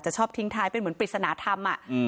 จะชอบทิ้งท้ายเป็นเหมือนปริศนธรรมอ่ะอืม